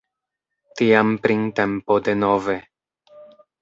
Tiam printempo denove.